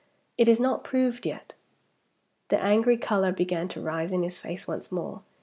It is not proved yet." The angry color began to rise in his face once more.